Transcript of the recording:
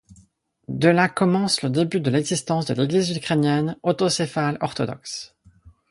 De là commence le début de l'existence de l'église ukrainienne autocéphale orthodoxe.